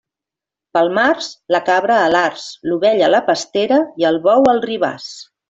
Pel març, la cabra a l'arç, l'ovella a la pastera i el bou al ribàs.